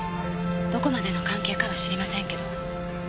どこまでの関係かは知りませんけど。